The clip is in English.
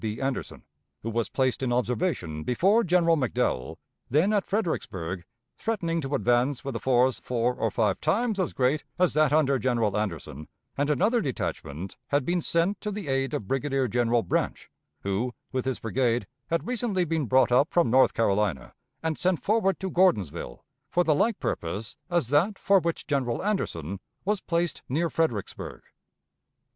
B. Anderson, who was placed in observation before General McDowell, then at Fredericksburg, threatening to advance with a force four or five times as great as that under General Anderson, and another detachment had been sent to the aid of Brigadier General Branch, who, with his brigade, had recently been brought up from North Carolina and sent forward to Gordonsville, for the like purpose as that for which General Anderson was placed near Fredericksburg.